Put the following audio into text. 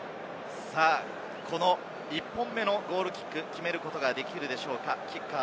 １本目のゴールキック、決めることができるでしょうか？